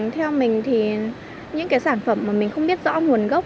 theo mình thì những cái sản phẩm mà mình không biết rõ nguồn gốc